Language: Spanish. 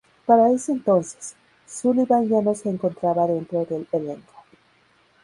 Para ese entonces, Sullivan ya no se encontraba dentro del elenco.